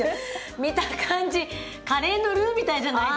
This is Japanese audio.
見た感じカレーのルーみたいじゃないですか。